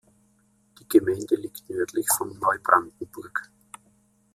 Die Gemeinde liegt nördlich von Neubrandenburg.